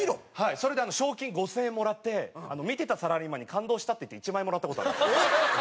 それで賞金５０００円もらって見てたサラリーマンに「感動した」っていって１万円もらった事あるんですよ。